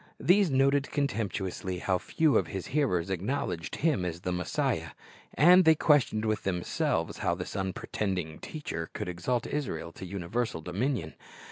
These noted contemptuously how few of His hearers acknowledged Him as the Messiah. And they questioned with themselves how this unpretending teacher could exalt Israel to universal dominion.